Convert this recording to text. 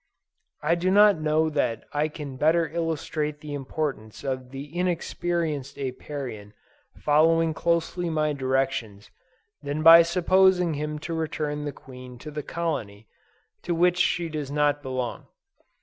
I do not know that I can better illustrate the importance of the inexperienced Apiarian following carefully my directions, than by supposing him to return the queen to the colony to which she does not belong.